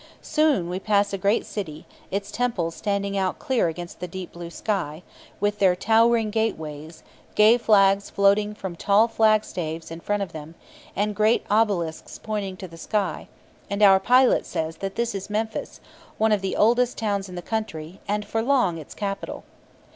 Soon we pass a great city, its temples standing out clear against the deep blue sky, with their towering gateways, gay flags floating from tall flagstaves in front of them, and great obelisks pointing to the sky; and our pilot says that this is Memphis, one of the oldest towns in the country, and for long its capital.